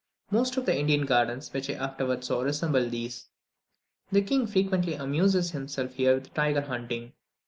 Most of the Indian gardens which I afterwards saw resembled these. The king frequently amuses himself here with tiger hunting.